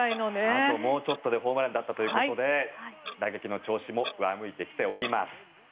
あともうちょっとでホームランだったということで打撃の調子も上向いてきております。